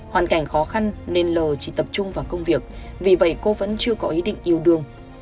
hoàn cảnh khó khăn nên l chỉ tập trung vào công việc vì vậy cô vẫn chưa có ý định yêu đương